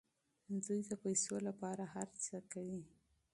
دوی د پیسو لپاره هر څه کوي.